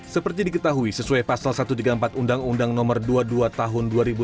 seperti diketahui sesuai pasal satu ratus tiga puluh empat undang undang nomor dua puluh dua tahun dua ribu dua